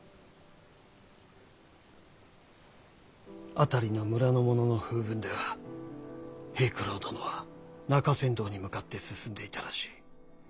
辺りの村の者の風聞では平九郎殿は中山道に向かって進んでいたらしい。